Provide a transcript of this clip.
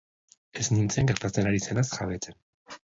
Ez nintzen gertatzen ari zenaz jabetzen.